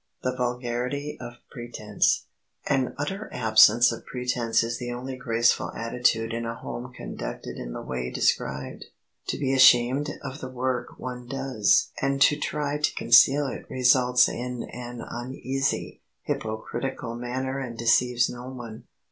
[Sidenote: THE VULGARITY OF PRETENSE] An utter absence of pretense is the only graceful attitude in a home conducted in the way described. To be ashamed of the work one does and to try to conceal it results in an uneasy, hypocritical manner and deceives no one.